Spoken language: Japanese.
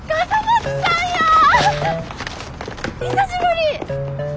久しぶり！